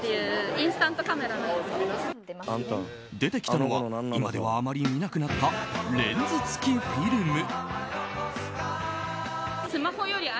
出てきたのは今ではあまり見なくなったレンズ付きフィルム。